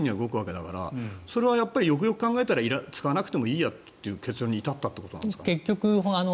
だって、ダイヤどおりに動くわけだからそれはよくよく考えたら使わなくてもいいやという結論に至ったということなんですか？